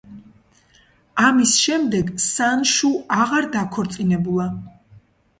ამის შემდეგ სანშუ აღარ დაქორწინებულა.